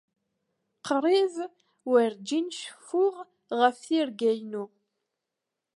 Qrib werjin ceffuɣ ɣef tirga-inu.